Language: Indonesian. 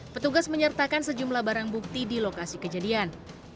petugas menyertakan sejumlah barang bukti di lokasi kejadian